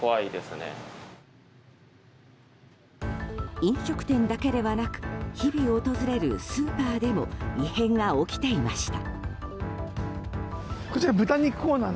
飲食店だけではなく日々訪れるスーパーでも異変が起きていました。